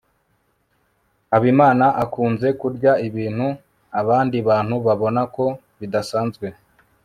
habimana akunze kurya ibintu abandi bantu babona ko bidasanzwe